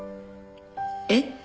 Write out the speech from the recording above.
えっ？